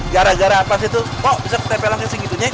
gara gara pas itu kok bisa kutepel lagi segitunya